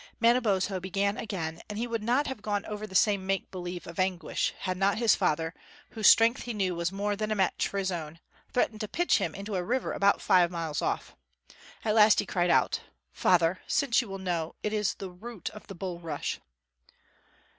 Manabozho began again, and he would have gone over the same make believe of anguish, had not his father, whose strength he knew was more than a match for his own, threatened to pitch him into a river about five miles off. At last he cried out: "Father, since you will know, it is the root of the bulrush."